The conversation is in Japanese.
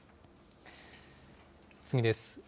次です。